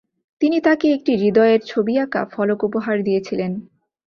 তিনি তাকে একটি হৃদয়ের ছবি আঁকা ফলক উপহার দিয়েছিলেন।